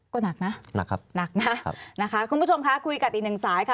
ก็หนักนะคุณผู้ชมคะคุยกับอีกหนึ่งสายค่ะ